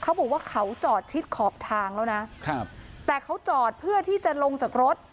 เขาบอกว่าเขาจอดชิดขอบทางแล้วนะครับแต่เขาจอดเพื่อที่จะลงจากรถ